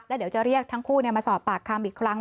แล้วเดี๋ยวจะเรียกทั้งคู่มาสอบปากคำอีกครั้ง